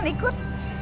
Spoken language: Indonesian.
boleh kan ikut